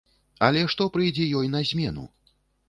Але што прыйдзе ёй на змену?